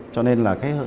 cho nên là